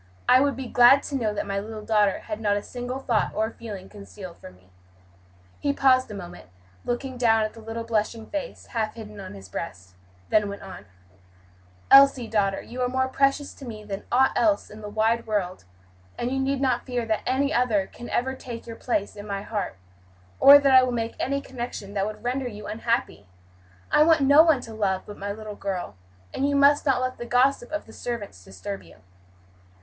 I would be glad to know that my little daughter had not a single thought or feeling concealed from me." He paused a moment, looking down at the little blushing face, half hidden on his breast, then went on: "Elsie, daughter, you are more precious to me than aught else in the wide world, and you need not fear that any other can ever take your place in my heart, or that I will make any connection that would render you unhappy. I want no one to love but my little girl; and you must not let the gossip of the servants disturb you."